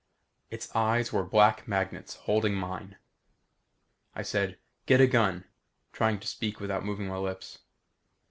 It's eyes were black magnets, holding mine. I said, "Get a gun," trying to speak without moving my lips.